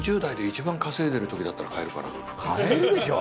買えるでしょ。